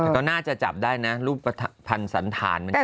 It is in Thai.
ก็น่าจะจับได้นะรูปผันสันทานมันชัด